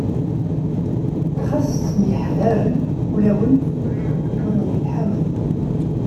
Xas ttemyeḥḍaṛen, ulawen ur myelḥamen.